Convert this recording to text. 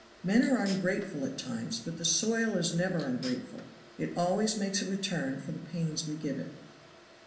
Men are ungrateful at times, but the soil is never ungrateful, it always makes a return for the pains we give it."